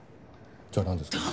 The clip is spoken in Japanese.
じゃあなんですか？